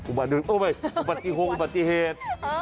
อุบัติโหดอุบัติเหตุ